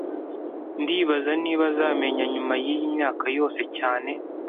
Ndibaza niba azamenya nyuma yiyi myaka yose cyane